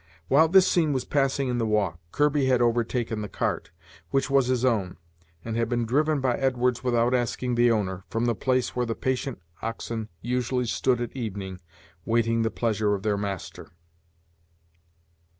While this scene was passing in the walk, Kirby had overtaken the cart, which was his own, and had been driven by Edwards, without asking the owner, from the place where the patient oxen usually stood at evening, waiting the pleasure of their master.